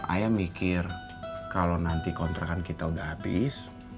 ayah mikir kalau nanti kontrakan kita sudah habis